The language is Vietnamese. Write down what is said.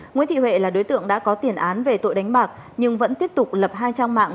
nguyễn thị huệ là đối tượng đã có tiền án về tội đánh bạc nhưng vẫn tiếp tục lập hai trang mạng